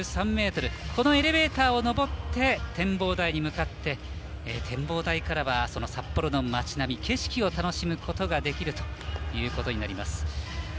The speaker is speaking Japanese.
このエレベーターを上って展望台に向かって展望台からは札幌の町並みと景色を楽しむことができます。